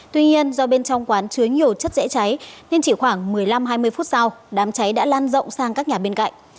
tuy nhiên do bên trong quán chứa nhiều chất dễ cháy nên chỉ khoảng một mươi năm hai mươi phút sau đám cháy đã lan rộng sang các nhà bên cạnh